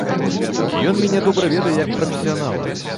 І ён мяне добра ведае як прафесіянала.